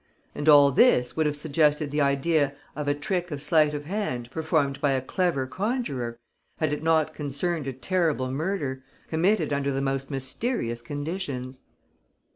And all this would have suggested the idea of a trick of sleight of hand performed by a clever conjuror, had it not concerned a terrible murder, committed under the most mysterious conditions.